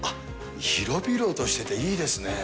広々としてていいですね。